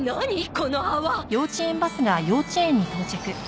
この泡！？